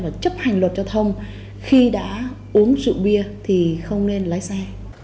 và chấp hành luật giao thông khi đã uống rượu bia thì không nên lái xe